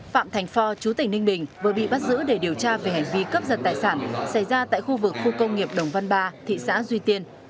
phạm thành phò chú tỉnh ninh bình vừa bị bắt giữ để điều tra về hành vi cướp giật tài sản xảy ra tại khu vực khu công nghiệp đồng văn ba thị xã duy tiên